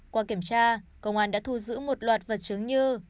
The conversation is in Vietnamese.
qua kiểm tra công an đã thu giữ một loạt vật chứng như